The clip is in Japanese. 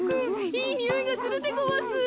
いいにおいがするでごわす。